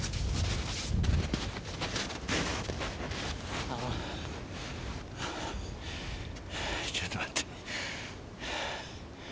はあはあちょっと待ってね。